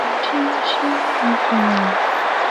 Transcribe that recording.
建立可以安身立命的生活空间